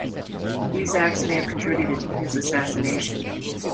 These acts may have contributed to his assassination.